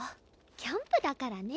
キャンプだからね。